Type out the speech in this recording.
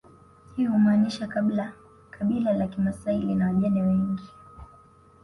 Hii humaanisha kabila la kimasai lina wajane wengi